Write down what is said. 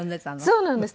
そうなんです。